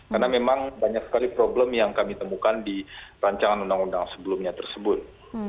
karena memang banyak sekali problem yang kami temukan di rancangan undang undang sebelumnya tersebut